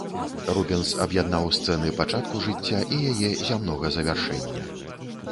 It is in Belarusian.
Рубенс аб'яднаў сцэны пачатку жыцця і яе зямнога завяршэння.